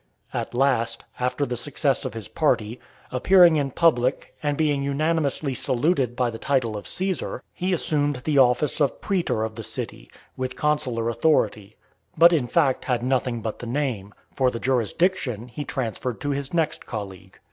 At last, after the success of his party, appearing in public, and being unanimously saluted by the title of Caesar, he assumed the office of praetor of the City, with consular authority, but in fact had nothing but the name; for the jurisdiction he transferred to his next colleague.